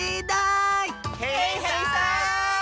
へいへいさん！